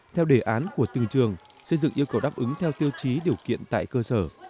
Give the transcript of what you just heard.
theo đề án của từng trường xây dựng yêu cầu đáp ứng theo tiêu chí điều kiện tại cơ sở